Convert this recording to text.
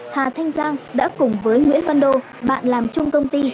hà thanh giang đã cùng với nguyễn văn đô bạn làm chung công ty